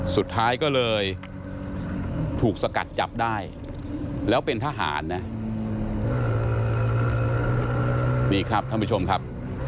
สุดท้ายก็เลยถูกสกัดจับได้แล้วเป็นทหารนะนี่ครับท่านผู้ชมครับ